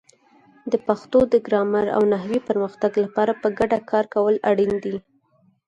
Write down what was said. د پښتو د ګرامر او نحوې پرمختګ لپاره په ګډه کار کول اړین دي.